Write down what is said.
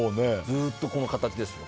ずっと、この形ですよ